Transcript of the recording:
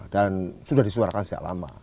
dan sudah disuruhkan sejak lama